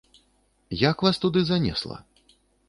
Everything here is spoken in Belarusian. Як вас туды занесла?